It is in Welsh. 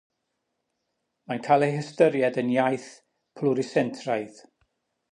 Mae'n cael ei hystyried yn iaith plwrisentraidd.